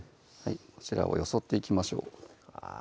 こちらをよそっていきましょうあぁ